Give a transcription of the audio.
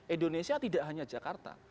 indonesia tidak hanya jakarta